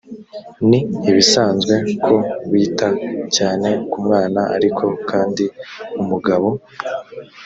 ni ibisanzwe ko wita cyane ku mwana ariko kandi umugabo